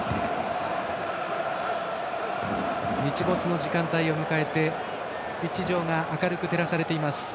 日没の時間帯を迎えてピッチ上が明るく照らされます